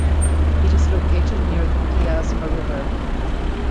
It is located near the Klyazma River.